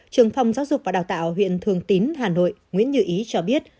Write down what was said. trường phòng giáo dục và đào tạo huyện thường tín hà nội nguyễn như ý cho biết